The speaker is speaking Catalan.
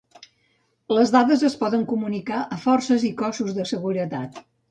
Les dades es poden comunicar a forces i cossos de seguretat.